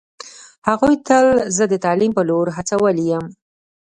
هغوی تل زه د تعلیم په لور هڅولی یم